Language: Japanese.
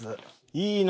いいな。